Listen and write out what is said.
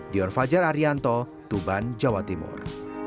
dion fajar arianto tuban jawa timur